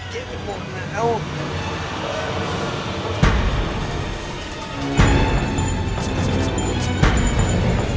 จริงเอ้าอ้าว